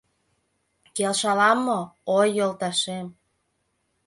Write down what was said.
Келшалам мо, ой, йолташем?